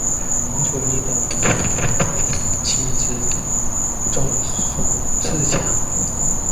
王处一的武功在七子之中数次强。